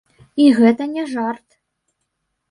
І гэта не жарт!